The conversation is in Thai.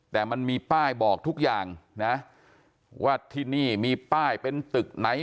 แต่มันมีป้ายบอกทุกอย่างนะว่าที่นี่มีป้ายเป็นตึกไหน